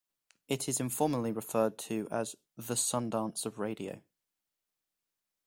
It is informally referred to as the "Sundance of Radio".